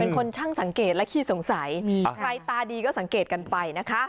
เป็นคนช่างสังเกตและขี้สงสัยใครตาดีก็สังเกตกันไปนะคะ